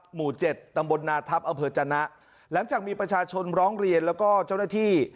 หมู่เจ็ดตำบลนาทัพอำเภอจนะหลังจากมีประชาชนร้องเรียนแล้วก็เจ้าหน้าที่